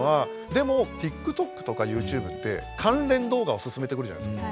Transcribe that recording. でもＴｉｋＴｏｋとかＹｏｕＴｕｂｅって関連動画を薦めてくるじゃないですか。